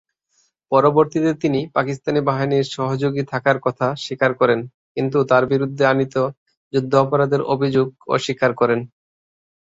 পরবর্তীতে তিনি পাকিস্তানি বাহিনীর সহযোগী থাকার কথা স্বীকার করেন কিন্তু তার বিরুদ্ধে আনীত যুদ্ধাপরাধের অভিযোগ অস্বীকার করেন।